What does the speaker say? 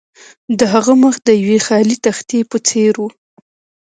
د هغه مخ د یوې خالي تختې په څیر و